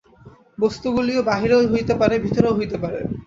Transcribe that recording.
বস্তুগুলি বাহিরেও হইতে পারে, ভিতরেও হইতে পারে।